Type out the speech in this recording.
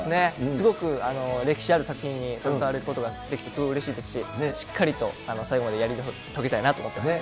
すごく歴史ある作品に携わることができて、すごいうれしいですし、しっかりと最後までやり遂げたいなと思っています。